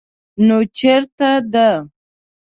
_نو چېرته ده؟